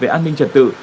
về an ninh trật tự